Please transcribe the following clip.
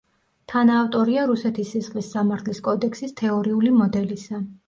თანაავტორია რუსეთის სისხლის სამართლის კოდექსის თეორიული მოდელისა.